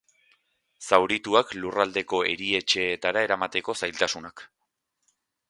Zaurituak lurraldeko erietxeetara eramateko zailtasunak.